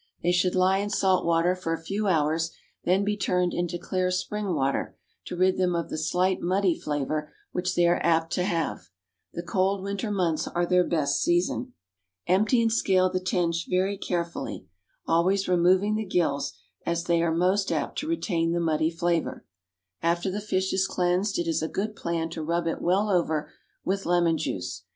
They should lie in salt water for a few hours, then be turned into clear spring water, to rid them of the slight muddy flavour which they are apt to have. The cold winter months are their best season. Empty and scale the tench very carefully, always removing the gills, as they are most apt to retain the muddy flavour. After the fish is cleansed it is a good plan to rub it well over with lemon juice.